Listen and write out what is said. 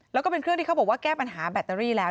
แล้วก็เป็นเครื่องที่เขาบอกว่าแก้ปัญหาแบตเตอรี่แล้ว